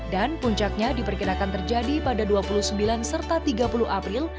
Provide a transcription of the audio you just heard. dan puncaknya diperkirakan terjadi pada dua puluh sembilan serta tiga puluh april